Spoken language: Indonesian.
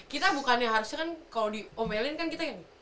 kita bukan yang harusnya kan kalo diomelin kan kita yang